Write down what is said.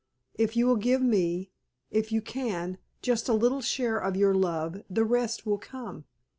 If you will give me if you can just a little share of your love, the rest will come.